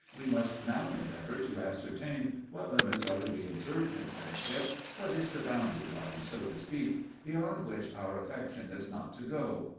We must now endeavour to ascertain what limits are to be observed in friendship what is the boundary line, so to speak, beyond which our affection is not to go.